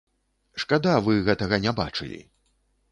Шкада, вы гэтага не бачылі.